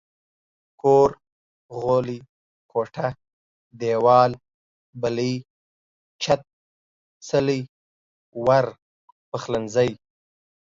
کور ، غولی، کوټه، ديوال، بلۍ، چت، څلی، ور، پخلنځي